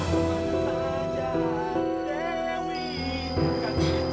kan ku kejati engkau kemana saja